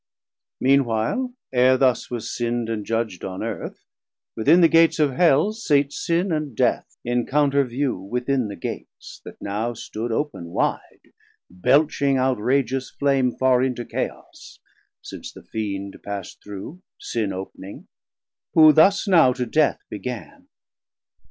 Meanwhile ere thus was sin'd and judg'd on Earth, Within the Gates of Hell sate Sin and Death, 230 In counterview within the Gates, that now Stood open wide, belching outrageous flame Farr into Chaos, since the Fiend pass'd through, Sin opening, who thus now to Death began.